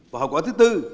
và hậu quả thứ tư